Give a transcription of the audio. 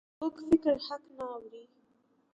کوږ فکر حق نه اوري